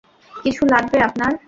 কিছু লাগবে আপনার?